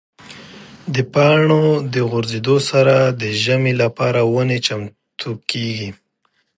د پاڼو د غورځېدو سره د ژمي لپاره ونې چمتو کېږي.